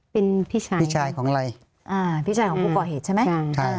เป็นพี่ชายพี่ชายของอะไรอ่าพี่ชายของผู้ก่อเหตุใช่ไหมใช่